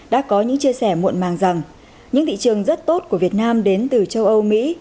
đã có những chia sẻ muộn màng rằng những thị trường rất tốt của việt nam đến từ châu âu mỹ